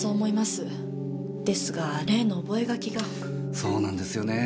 そうなんですよねぇ。